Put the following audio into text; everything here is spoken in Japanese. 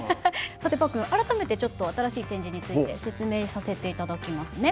さてパックン改めてちょっと新しい展示について説明させていただきますね。